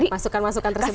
masukan masukan tersebut ya